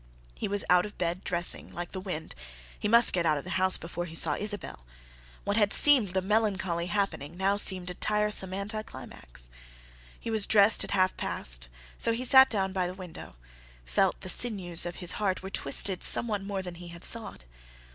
He was out of bed, dressing, like the wind; he must get out of the house before he saw Isabelle. What had seemed a melancholy happening, now seemed a tiresome anticlimax. He was dressed at half past, so he sat down by the window; felt that the sinews of his heart were twisted somewhat more than he had thought.